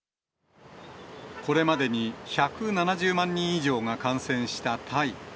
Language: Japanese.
これまでに１７０万人以上が感染したタイ。